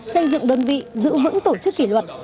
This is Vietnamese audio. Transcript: xây dựng đơn vị giữ vững tổ chức kỷ luật